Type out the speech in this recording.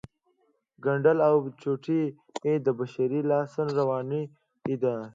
ګنډل او چوټې د بشر لاسته راوړنې دي